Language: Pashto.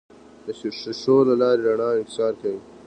د شیشو له لارې رڼا انکسار کوي.